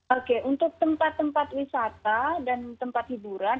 oke untuk tempat tempat wisata dan tempat hiburan